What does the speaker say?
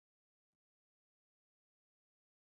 雌狮对团体外的其他狮子是敌对的。